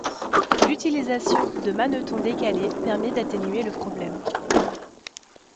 L'utilisation de manetons décalés permet d'atténuer le problème.